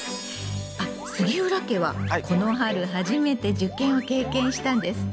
あっ杉浦家はこの春初めて受験を経験したんですって？